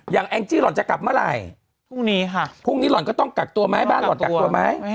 แองจี้หล่อนจะกลับเมื่อไหร่พรุ่งนี้ค่ะพรุ่งนี้หล่อนก็ต้องกักตัวไหมบ้านหล่อนกักตัวไหม